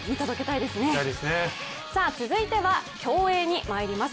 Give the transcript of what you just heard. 続いては競泳にまいります。